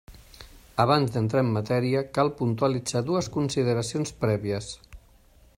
Abans d'entrar en matèria, cal puntualitzar dues consideracions prèvies.